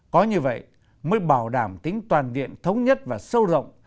có như vậy mới bảo đảm tính toàn diện thống nhất và sâu rộng